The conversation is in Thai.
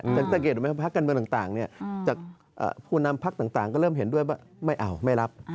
สังเกตไหมพักการเมืองต่างจากผู้นำพักต่างก็เริ่มเห็นด้วยว่าไม่เอาไม่รับ